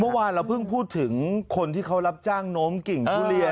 เมื่อวานเราเพิ่งพูดถึงคนที่เขารับจ้างโน้มกิ่งทุเรียน